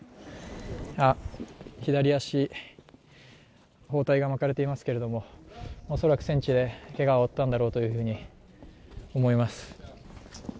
左足、包帯が巻かれていますけれどもおそらく戦地でけがを負ったんだろうというふうに思います。